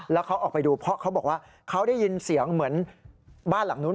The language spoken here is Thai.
แล้วเขาออกไปดูเพราะเขาบอกว่าเขาได้ยินเสียงเหมือนบ้านหลังนู้น